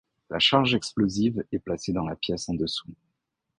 La charge explosive est placée dans la pièce en dessous.